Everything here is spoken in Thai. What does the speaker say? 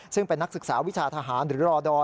ซึ่งเป็นนักศึกษาวิชาทหารหรือรอดอ